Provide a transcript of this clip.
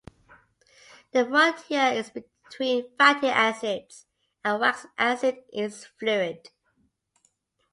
The frontier between fatty acids and wax acids is fluid.